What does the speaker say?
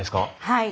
はい。